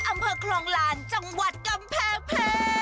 อำเภอคลองลานจังหวัดกำแพงเพชร